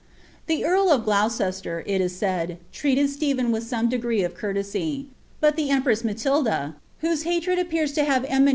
Th« carl of Gloucester, It Is said, treated Stephen with some degree of cour trsv ; but the empress Matilda, whose hatred appears to huve e ■ Matin ibury.